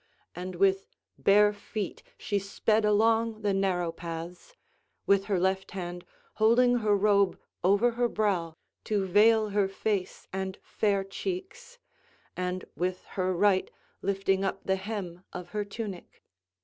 And with bare feet she sped along the narrow paths, with her left hand holding her robe over her brow to veil her face and fair cheeks, and with her right lifting up the hem of her tunic.